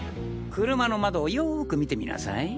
車の窓をよく見てみなさい。